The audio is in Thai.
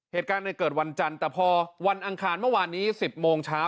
เหตุการณ์เกิดวันจันทร์แต่พอวันอังคารเมื่อวานนี้๑๐โมงเช้า